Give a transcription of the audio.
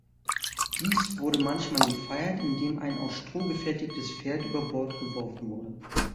Dies wurde manchmal gefeiert, indem ein aus Stroh gefertigtes Pferd über Bord geworfen wurde.